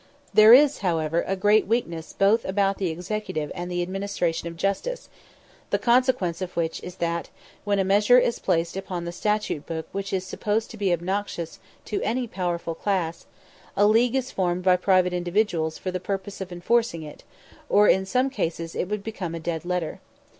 There is, however, a great weakness both about the Executive and the administration of justice, the consequence of which is, that, when a measure is placed upon the statute book which is supposed to be obnoxious to any powerful class, a league is formed by private individuals for the purpose of enforcing it, or in some cases it would become a dead letter.